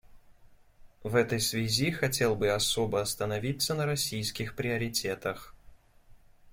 В этой связи хотел бы особо остановиться на российских приоритетах.